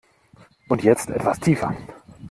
Und jetzt etwas tiefer!